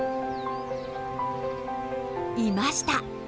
いました！